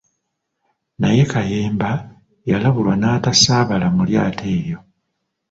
Naye Kayemba yalabulwa n'atasaabala mu lyato eryo.